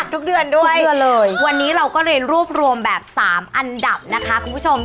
ทุกเดือนด้วยทุกเดือนเลยวันนี้เราก็เลยรวบรวมแบบ๓อันดับนะคะคุณผู้ชม